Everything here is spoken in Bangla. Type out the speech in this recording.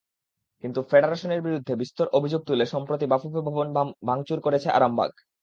কিন্তু ফেডারেশনের বিরুদ্ধে বিস্তর অভিযোগ তুলে সম্প্রতি বাফুফে ভবন ভাঙচুর করেছে আরামবাগ।